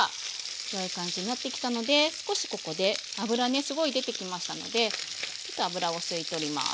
このような感じになってきたので少しここで脂ねすごい出てきましたのでちょっと脂を吸い取ります。